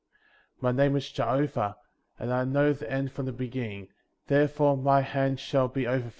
8. My name is Jehovah,*^ and I know the end from the beginning; therefore my hand shall be over thee.